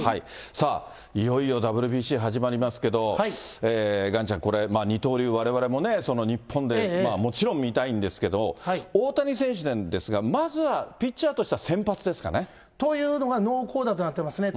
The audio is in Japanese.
さあ、いよいよＷＢＣ始まりますけど、岩ちゃん、これ、二刀流、われわれもね、日本でもちろん見たいんですけど、大谷選手なんですが、まずはピッチャーとしては先発ですかね。というのが濃厚だとなってますね。